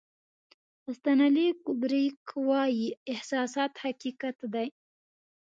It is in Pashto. استنلي کوبریک وایي احساسات حقیقت دی.